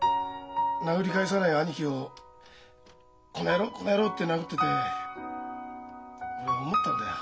殴り返さない兄貴を「この野郎この野郎」って殴ってて俺思ったんだよ。